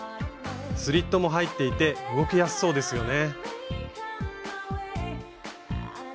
スリットも入っていて動きやすそうですよね。